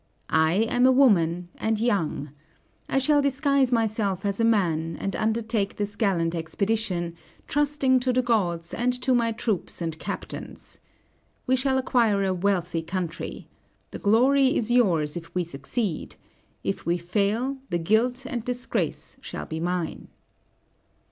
I am a woman and young. I shall disguise myself as a man, and undertake this gallant expedition, trusting to the gods and to my troops and captains. We shall acquire a wealthy country. The glory is yours, if we succeed; if we fail, the guilt and disgrace shall be mine."